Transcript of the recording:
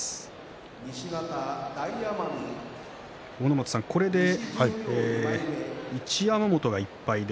阿武松さん、これで一山本１敗